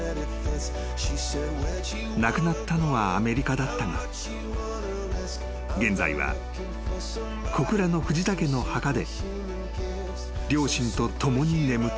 ［亡くなったのはアメリカだったが現在は小倉の藤田家の墓で］